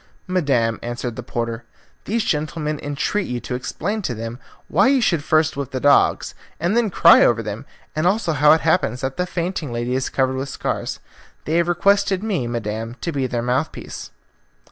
"Madam," answered the porter, "these gentlemen entreat you to explain to them why you should first whip the dogs and then cry over them, and also how it happens that the fainting lady is covered with scars. They have requested me, Madam, to be their mouthpiece."